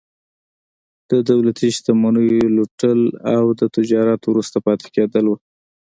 د دولتي شتمنیو لوټول او د تجارت وروسته پاتې کېدل وو.